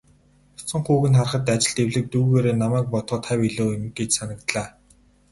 Бяцхан хүүг нь харахад, ажилд эвлэг дүйгээрээ намайг бодоход хавь илүү юм гэж санагдлаа.